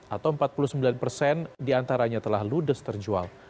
atau empat puluh sembilan persen diantaranya telah ludes terjual